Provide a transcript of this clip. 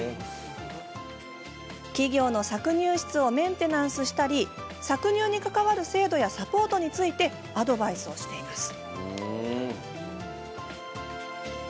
企業の搾乳室をメンテナンスしたり搾乳に関わる制度やサポートについてアドバイスをしています。